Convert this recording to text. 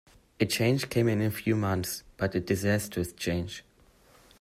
A change came in a few months, but a disastrous change.